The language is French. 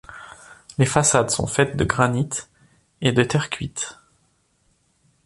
Les façades sont faites de granite et de terre cuite.